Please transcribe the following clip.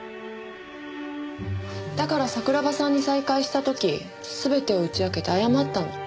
だから桜庭さんに再会した時全てを打ち明けて謝ったの。